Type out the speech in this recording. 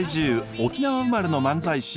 沖縄生まれの漫才師。